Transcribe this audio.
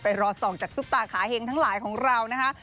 รอส่องจากซุปตาขาเห็งทั้งหลายของเรานะคะ